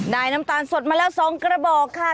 น้ำตาลสดมาแล้ว๒กระบอกค่ะ